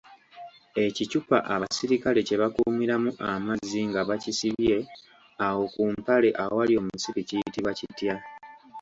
Ekicupa abasirikale kye bakuumiramu amazzi nga bakisibye awo ku mpale awali omusipi kiyitibwa kitya?